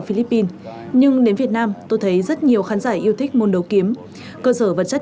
philippines nhưng đến việt nam tôi thấy rất nhiều khán giả yêu thích môn đấu kiếm cơ sở vật chất